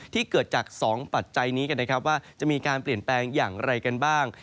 เกิดจาก๒ปัจจัยนี้กันนะครับว่าจะมีการเปลี่ยนแปลงอย่างไรกันบ้าง